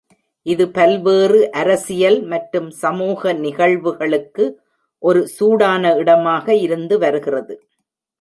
இது பல்வேறு அரசியல் மற்றும் சமூக நிகழ்வுகளுக்கு ஒரு சூடான இடமாக இருந்து வருகிறது.